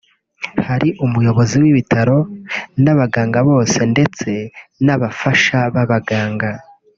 hari umuyobozi w’ibitaro n’abaganga bose ndetse n’abafasha b’abaganga